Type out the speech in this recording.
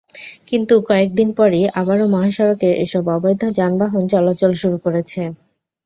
কিন্তু কয়েক দিন পরই আবারও মহাসড়কে এসব অবৈধ যানবাহন চলাচল শুরু করেছে।